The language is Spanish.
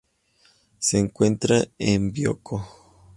Se encuentra en Bioko.